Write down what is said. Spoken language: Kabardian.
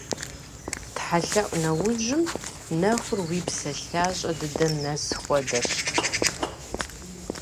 ТхьэлъэӀу нэужьым нэхур уи псэ лъащӀэ дыдэм нэс хуэдэщ.